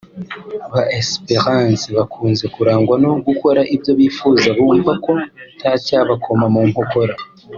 Ba Esperance bakunze kurangwa no gukora ibyo bifuza bumva ko ntacyabakoma mu nkokora